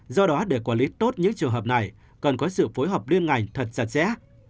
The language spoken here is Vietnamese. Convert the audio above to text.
do đó để quản lý tốt những trường hợp này cần có sự phối hợp liên ngành thật chặt chẽ